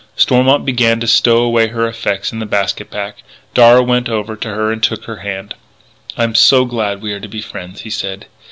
Stormont began to stow away her effects in the basket pack; Darragh went over to her and took her hand. "I'm so glad we are to be friends," he said.